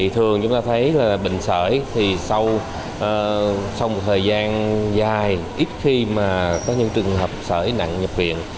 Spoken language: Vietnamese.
thường chúng ta thấy bệnh sởi sau một thời gian dài ít khi có những trường hợp sởi nặng nhập viện